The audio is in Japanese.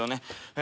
え？